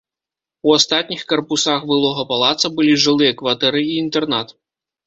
У астатніх карпусах былога палаца былі жылыя кватэры і інтэрнат.